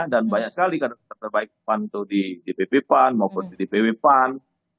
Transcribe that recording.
dan banyak sekali kader kader terbaik pan itu di dpp pan maupun di dpw pan